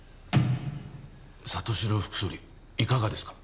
里城副総理いかがですか？